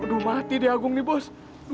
aduh mati di agung nih bos